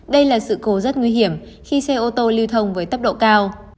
đây là sự cố rất nguy hiểm khi xe ô tô lưu thông với tốc độ cao